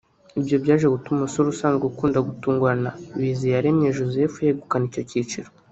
ibyo byaje gutuma umusore usazwe ukunda gutungurana Biziyaremye Joseph yegukana icyo cyiciro